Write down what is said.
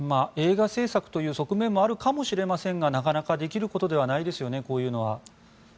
映画制作という側面もあるかもしれませんがなかなかできることではないですよね、こういうのは。